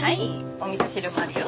お味噌汁もあるよ。